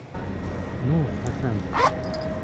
Ну, Хәсән!..